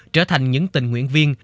trở thành những tình nguyện viên